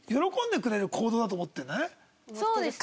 そうですね。